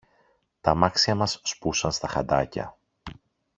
τ' αμάξια μας σπούσαν στα χαντάκια.